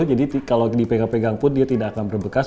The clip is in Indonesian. jadi kalau dipegang pegang pun dia tidak akan berbekas